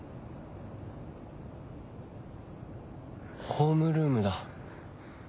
ホームルームだ。